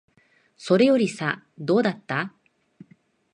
それよりさ、どうだった？